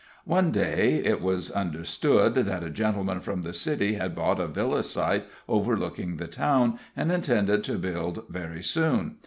One day it was understood that a gentleman from the city had bought a villa site overlooking the town, and intended to build very soon.